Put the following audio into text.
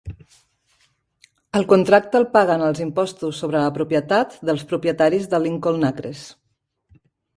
El contracte el paguen els impostos sobre la propietat dels propietaris de Lincoln Acres.